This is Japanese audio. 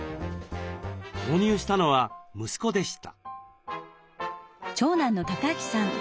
購入したのは息子でした。